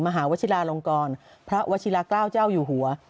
มหาวชิลาลงกรพระวชิลาเกล้าเจ้าอยู่หัว